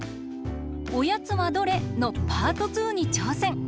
「おやつはどれ？」のパート２にちょうせん！